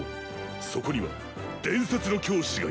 ［そこには伝説の教師がいた］